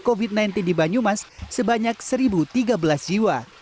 covid sembilan belas di banyumas sebanyak satu tiga belas jiwa